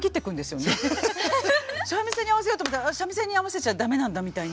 三味線に合わせようと思ったら三味線に合わせちゃダメなんだみたいな。